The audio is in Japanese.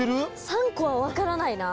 ３個は分からないなぁ。